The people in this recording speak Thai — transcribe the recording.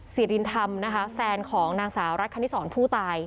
ซีรินธรรมแฟนของนางสาวรัฐคณิสรพู่ตาย